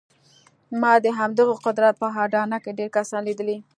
ما د همدغه قدرت په اډانه کې ډېر کسان ليدلي.